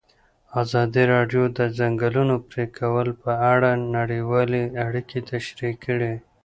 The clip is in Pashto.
ازادي راډیو د د ځنګلونو پرېکول په اړه نړیوالې اړیکې تشریح کړي.